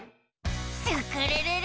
スクるるる！